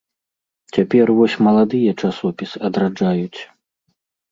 Цяпер вось маладыя часопіс адраджаюць.